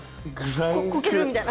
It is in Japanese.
コケるみたいな。